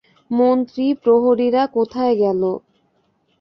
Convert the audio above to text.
মন্ত্রী, প্রহরীরা কোথায় গেল?